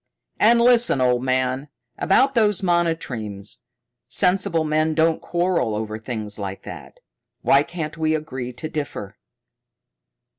"And listen, old man. About those monotremes sensible men don't quarrel over things like that. Why can't we agree to differ?"